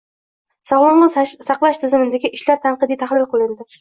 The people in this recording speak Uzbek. Sog‘liqni saqlash tizimidagi ishlar tanqidiy tahlil qilinding